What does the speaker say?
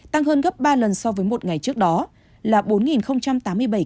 tăng hơn gấp ba lần so với một ngày trước đó là bốn tám mươi bảy ca